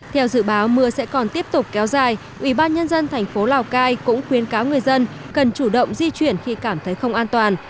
theo dự báo mưa sẽ còn tiếp tục kéo dài ủy ban nhân dân thành phố lào cai cũng khuyên cáo người dân cần chủ động di chuyển khi cảm thấy không an toàn